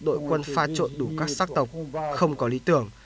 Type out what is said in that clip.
một đội quân pha trộn đủ các sát tộc không có lý tưởng